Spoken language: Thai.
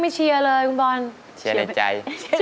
เชียร์ในใจ